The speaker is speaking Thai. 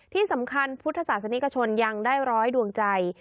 ที่สำคัญพุทธศาสนิกชนยังได้ร้อยดวงใจ